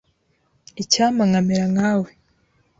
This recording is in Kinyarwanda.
Icyampa nkamera nka we.